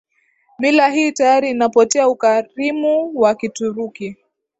mila hii tayari inapotea Ukarimu wa Kituruki